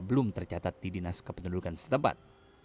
belum tercatat di dinas kependudukan setempat